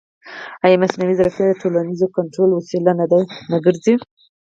ایا مصنوعي ځیرکتیا د ټولنیز کنټرول وسیله نه ګرځي؟